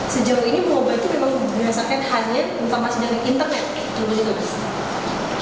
sejauh ini obat itu memang diberasakan hanya untuk masjid yang ada di internet